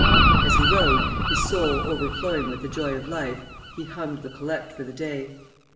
As he rode, his soul overflowing with the joy of life, he hummed the Collect for the Day.